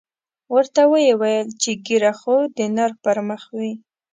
ورته ویې ویل چې ږیره خو د نر پر مخ وي.